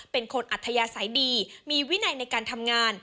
อัธยาศัยดีมีวินัยในการทำงาน